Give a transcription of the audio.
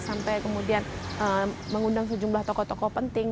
sampai kemudian mengundang sejumlah tokoh tokoh penting